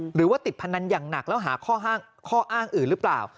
หรือว่าติดพนันอย่างหนักแล้วหาข้ออ้างอื่นหรือเปล่า